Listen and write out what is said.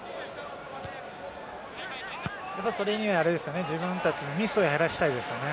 それには自分たちのミスを減らしたいですよね。